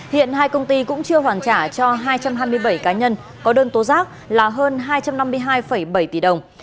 hiện hai công ty cũng chưa hoàn trả cho hai trăm hai mươi bảy cá nhân có đơn tố giác là hơn hai trăm năm mươi hai bảy tỷ đồng